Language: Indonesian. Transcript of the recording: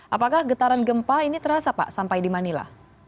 apakah getaran gempa ini terasa pak sampai di manila